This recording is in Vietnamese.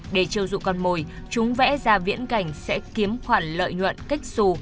để trêu dụ con mồi chúng vẽ ra viễn cảnh sẽ kiếm khoản lợi nhuận cách xù